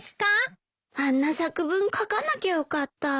あんな作文書かなきゃよかった。